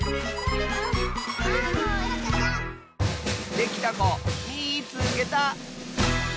できたこみいつけた！